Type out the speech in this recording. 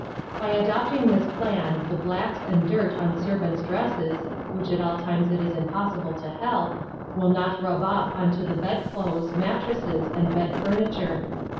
By adopting this plan, the blacks and dirt on servants' dresses (which at all times it is impossible to help) will not rub off on to the bed clothes, mattresses, and bed furniture.